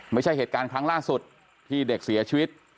ไม่ใช่เหตุการณ์ครั้งล่าสุดที่เด็กเสียชีวิต